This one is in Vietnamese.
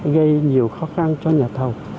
gây nhiều khó khăn cho nhà thầu